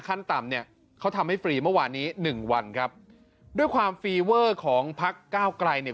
ขั้นต่ำเนี่ยเขาทำให้ฟรีเมื่อวานนี้หนึ่งวันครับด้วยความฟีเวอร์ของพักเก้าไกลเนี่ย